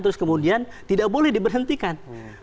terus kemudian tidak boleh diberhentikan